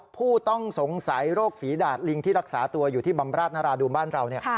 ผู้ต้องสงสัยโรคฝีดาดลิงที่รักษาตัวอยู่ที่บำราชนราดูนบ้านเรา